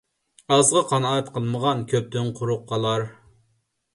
ئازغا قانائەت قىلمىغان كۆپتىن قۇرۇق قالار.